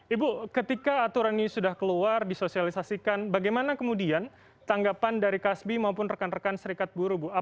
ibu ketika aturan ini sudah keluar disosialisasikan bagaimana kemudian tanggapan dari kasbi maupun rekan rekan serikat buru